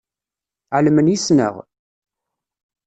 Ԑelmen yess-neɣ?